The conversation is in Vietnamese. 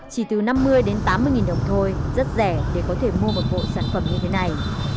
chỉ từ năm mươi đến tám mươi nghìn đồng thôi rất rẻ để có thể mua một bộ sản phẩm như thế này